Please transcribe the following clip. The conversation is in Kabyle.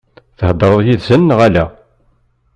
Theḍṛeḍ yid-sen neɣ ala?